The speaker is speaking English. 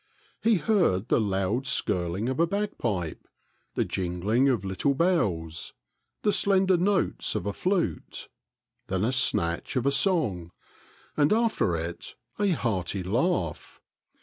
He heard the loud skirling of a bagpipe, the jingling of little bells, the slender notes of a flute, then a snatch of a song, and after it a hearty laugh.